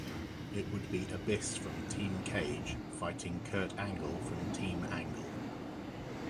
It would be Abyss from Team Cage fighting Kurt Angle from Team Angle.